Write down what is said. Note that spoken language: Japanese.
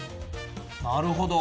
なるほど。